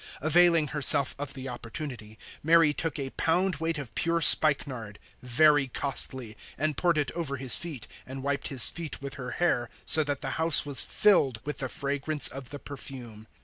012:003 Availing herself of the opportunity, Mary took a pound weight of pure spikenard, very costly, and poured it over His feet, and wiped His feet with her hair, so that the house was filled with the fragrance of the perfume.